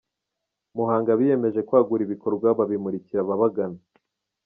Muhanga Biyemeje kwagura ibikorwa babimurikira ababagana